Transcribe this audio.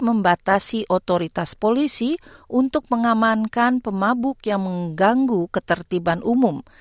membatasi otoritas polisi untuk mengamankan pemabuk yang mengganggu ketertiban umum